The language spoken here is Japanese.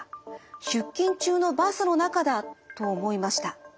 出勤中のバスの中だ」と思いました。